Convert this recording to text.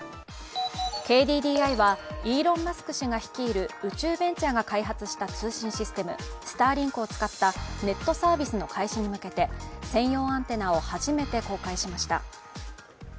ＫＤＤＩはイーロン・マスク氏が率いる宇宙ベンチャーが開発した通信システムスターリンクを使ったネットサービスの開始に向けて専用アンテナを初めて公開しました。